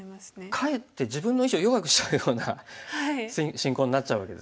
かえって自分の石を弱くしたような進行になっちゃうわけですね。